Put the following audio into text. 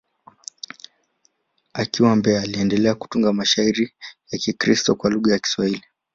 Akiwa Mbeya, aliendelea kutunga mashairi ya Kikristo kwa lugha ya Kiswahili.